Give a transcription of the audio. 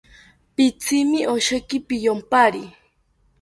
Pitzimi osheki piyompari